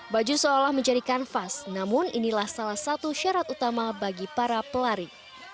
baju seolah menjadi kanvas namun inilah salah satu syarat utama bagi para pelari